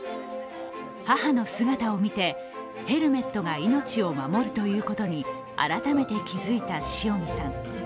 母の姿を見て、ヘルメットが命を守るということに改めて気づいた塩見さん。